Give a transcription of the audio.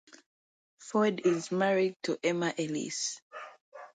Ford is married to Emma Ellis.